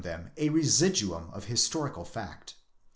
them a residuum of historical fact.